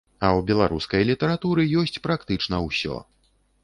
А ў беларускай літаратуры ёсць практычна ўсё.